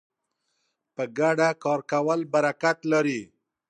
په ګډه کار کول برکت لري.